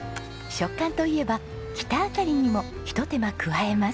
食感といえばキタアカリにもひと手間加えます。